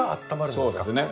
そうですね。